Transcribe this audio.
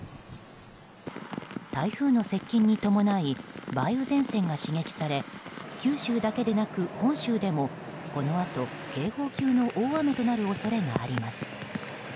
台風の接近に伴い梅雨前線が刺激され九州だけでなく本州でもこのあと警報級の大雨となる恐れがあります。